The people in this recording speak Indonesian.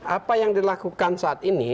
apa yang dilakukan saat ini